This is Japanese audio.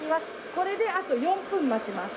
これであと４分待ちます。